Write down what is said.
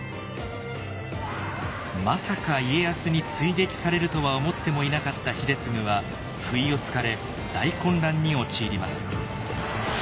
まさか家康に追撃されるとは思ってもいなかった秀次は不意をつかれ大混乱に陥ります。